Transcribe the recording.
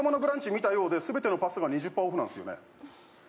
見たよーで全てのパスタが２０％オフなんですよね。